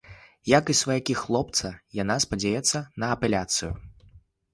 Як і сваякі хлопца, яна спадзяецца на апеляцыю.